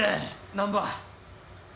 難破。